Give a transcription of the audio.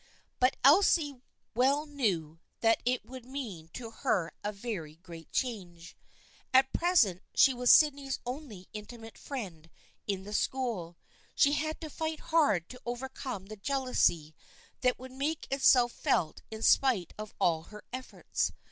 But Elsie well knew that it would mean to her a very great change. At present she was Sydney's only intimate friend in the school. She had to fight hard to overcome the jealousy that would make itself felt in spite of all her efforts.